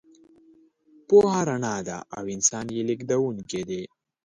پوهه رڼا ده او انسان یې لېږدونکی دی.